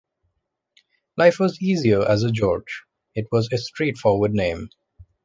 Life was easier as a George; it was a straightforward name.